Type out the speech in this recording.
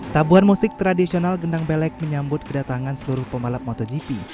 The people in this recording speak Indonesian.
tabuhan musik tradisional gendang belek menyambut kedatangan seluruh pembalap motogp